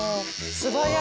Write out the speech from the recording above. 素早い。